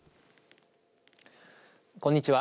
こんにちは。